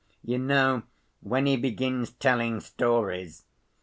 You know, when he begins telling stories....